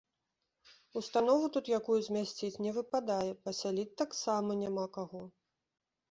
Установу тут якую змясціць не выпадае, пасяліць таксама няма каго.